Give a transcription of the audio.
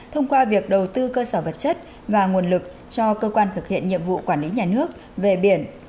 thông qua việc đầu tư cơ sở vật chất và nguồn lực cho cơ quan thực hiện nhiệm vụ quản lý nhà nước về biển